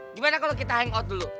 gimana kalau kita hangout dulu